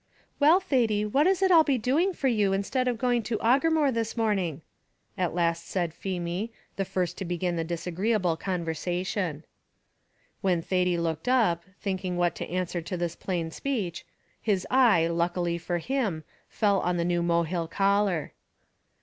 "Well, Thady, what is it I'll be doing for you, instead of going to Aughermore this morning?" at last said Feemy, the first to begin the disagreeable conversation. When Thady looked up, thinking what to answer to this plain speech, his eye, luckily for him, fell on the new Mohill collar.